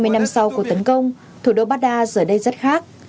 hai mươi năm sau cuộc tấn công thủ đô baghdad giờ đây rất khác